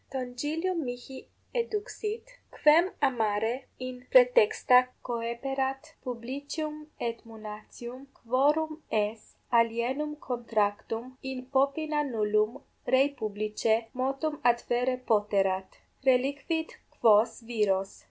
Tongilium mihi eduxit, quem amare in praetexta coeperat, Publicium et Munatium, quorum aes alienum contractum in popina nullum rei publicae motum adferre poterat: reliquit quos viros!